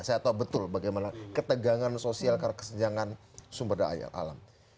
saya tahu betul bagaimana ketegangan sosial karena kesenjangan sumber daya alam